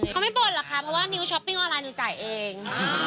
เขาไม่บ่นหรอกค่ะเพราะว่านิวช้อปปิ้งออนไลนิวจ่ายเอง